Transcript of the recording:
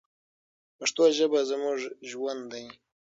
پښتو ژبه زموږ ژوند دی.